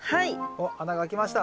おっ穴が開きました。